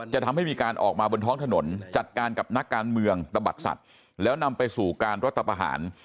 จะทำให้มีการออกมาบนท้องถนนจัดการกับนักการเมืองตะบัดสัตว์แล้วนำไปสู่การรัฐประหาร